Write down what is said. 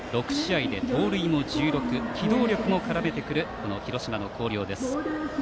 ６試合で盗塁も１６機動力も絡めてくる広島の広陵。